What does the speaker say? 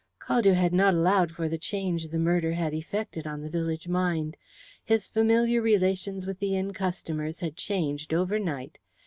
Caldew had not allowed for the change the murder had effected on the village mind. His familiar relations with the inn customers had changed overnight.